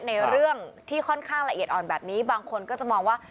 ในเรื่องที่ค่อนข้างละเอียดอ่อนแบบนี้บางคนก็จะมองว่า